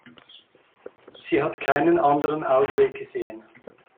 Sie hat keinen anderen Ausweg gesehen.